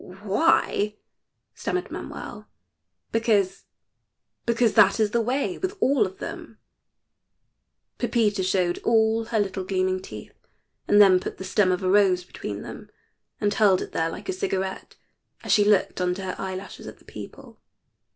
"Why," stammered Manuel, "because because that is the way with all of them." Pepita showed all her little gleaming teeth, and then put the stem of a rose between them and held it there like a cigarette as she looked under her eyelashes at the people.